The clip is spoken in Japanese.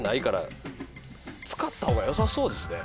使ったほうが良さそうですね。